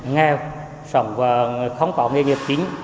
nghèo sống không có nghề nghiệp chính